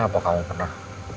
atau kamu pernah